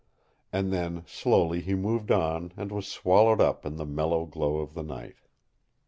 And then slowly he moved on and was swallowed up in the mellow glow of the night.